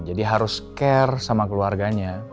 jadi harus care sama keluarganya